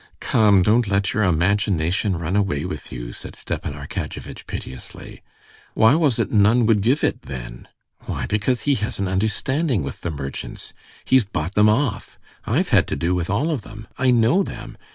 "Come, don't let your imagination run away with you," said Stepan Arkadyevitch piteously. "Why was it none would give it, then?" "Why, because he has an understanding with the merchants; he's bought them off. I've had to do with all of them; I know them.